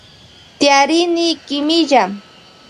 Tiyari kimilla.